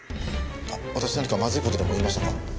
私何かまずい事でも言いましたか？